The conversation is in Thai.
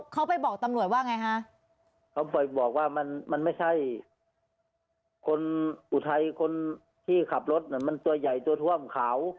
เขาบอกว่ามันไม่ใช่คือคนอุทัยคนคนที่ขับรถมันตัวใหญ่ตัวท่วมขาว